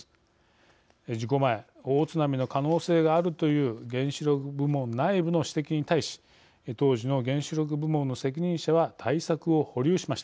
事故前大津波の可能性があるという原子力部門内部の指摘に対し当時の原子力部門の責任者は対策を保留しました。